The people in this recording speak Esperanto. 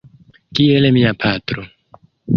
Kiel mia patro.